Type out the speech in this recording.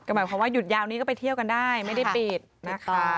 หมายความว่าหยุดยาวนี้ก็ไปเที่ยวกันได้ไม่ได้ปิดนะคะ